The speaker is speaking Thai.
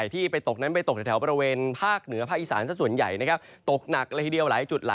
ต่อเนื่องจากสุดส